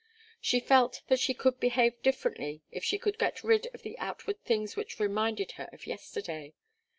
She felt that she could behave differently if she could get rid of the outward things which reminded her of yesterday.